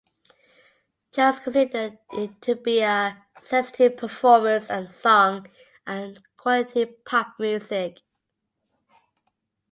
Jones considered it to be "a sensitive performance and song" and "quality pop music".